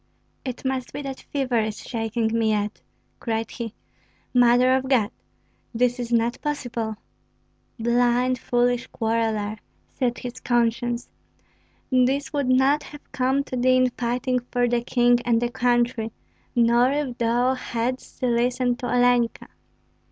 It must be that fever is shaking me yet," cried he. "Mother of God, this is not possible!" "Blind, foolish quarreller," said his conscience, "this would not have come to thee in fighting for the king and the country, nor if thou hadst listened to Olenka."